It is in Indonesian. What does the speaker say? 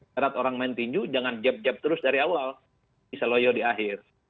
serat orang main tinju jangan jeb jeb terus dari awal bisa loyo di akhir